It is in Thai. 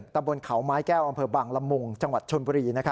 ตำบลเขาไม้แก้วอำเภอบังละมุงจังหวัดชนบุรี